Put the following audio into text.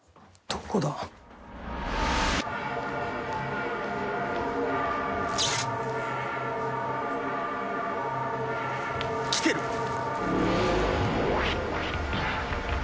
どこだ？来てる！